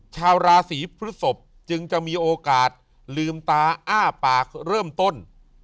ชาวราศีพฤศพจึงจะมีโอกาสลืมตาอ้าปากเริ่มต้น